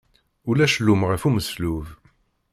Ulac llum ɣef umeslub.